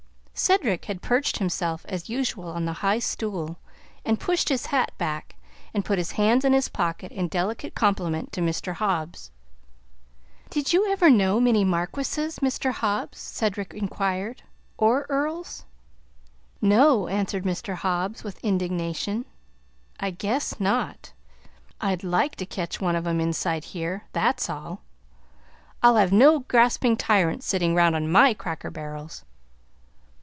Cedric had perched himself as usual on the high stool and pushed his hat back, and put his hands in his pockets in delicate compliment to Mr. Hobbs. "Did you ever know many marquises, Mr. Hobbs?" Cedric inquired, "or earls?" "No," answered Mr. Hobbs, with indignation; "I guess not. I'd like to catch one of 'em inside here; that's all! I'll have no grasping tyrants sittin' 'round on my cracker barrels!"